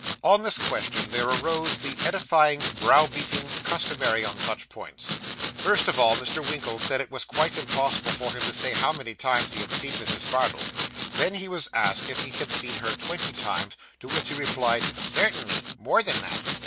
On this question there arose the edifying brow beating, customary on such points. First of all, Mr. Winkle said it was quite impossible for him to say how many times he had seen Mrs. Bardell. Then he was asked if he had seen her twenty times, to which he replied, 'Certainly more than that.